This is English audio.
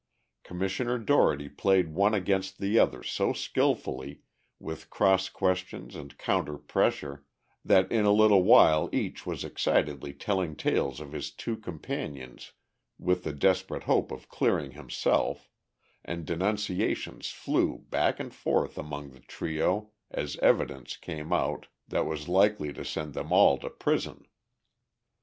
Commissioner Dougherty played one against the other so skillfully, with cross questions and counter pressure, that in a little while each was excitedly telling tales on his two companions with the desperate hope of clearing himself, and denunciations flew back and forth among the trio as evidence came out that was likely to send them all to prison.